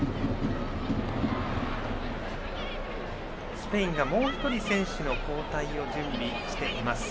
スペインがもう１人、選手交代を準備しています。